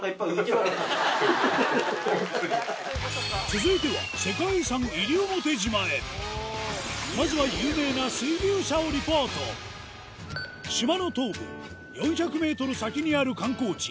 続いてはまずは有名な島の東部４００ｍ先にある観光地